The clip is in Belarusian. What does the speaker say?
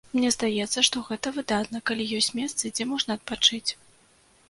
Мне здаецца, што гэта выдатна, калі ёсць месцы, дзе можна адпачыць.